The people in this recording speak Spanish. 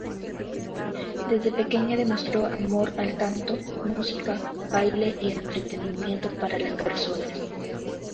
Desde pequeña demostró amor al canto, música, baile y entretenimiento para las personas.